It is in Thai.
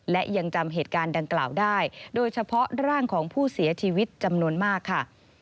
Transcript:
และยังจำเหตุการณ์ดังกล่าวได้โดยเฉพาะร่างของผู้เสียชีวิตจำนวนมากค่ะ